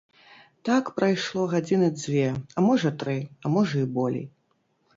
Так прайшло гадзіны дзве, а можа тры, а можа і болей.